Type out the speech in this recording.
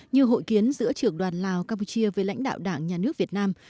như hội kiến giữa trưởng đoàn lào campuchia với lãnh đạo đảng nhà nước việt nam